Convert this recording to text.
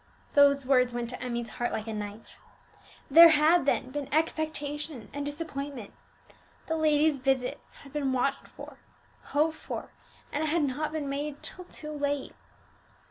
Those words went to Emmie's heart like a knife. There had, then, been expectation and disappointment; the lady's visit had been watched for, hoped for, and it had not been made till too late!